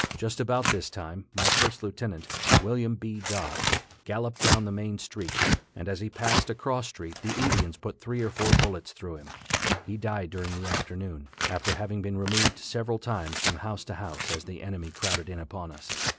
Just about this time, my first lieutenant, William B. Dodd, galloped down the main street, and as he passed a cross street the Indians put three or four bullets through him. He died during the afternoon, after having been removed several times from house to house as the enemy crowded in upon us.